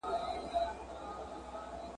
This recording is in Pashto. درزهار وو د توپکو د توپونو ,